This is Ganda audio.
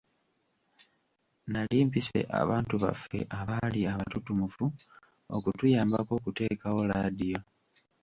Nali mpise abantu baffe abaali abatutumufu okutuyambako okuteekawo laadiyo.